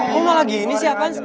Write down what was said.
kok malah gini sih apaan